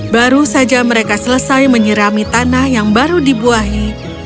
baru saja mereka selesai menyirami tanah yang baru dibuahi